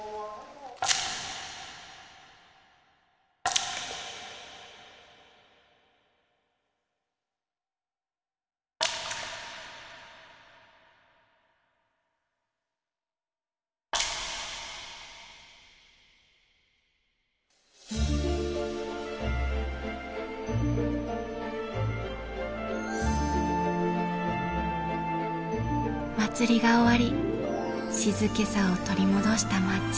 祭りが終わり静けさを取り戻した町。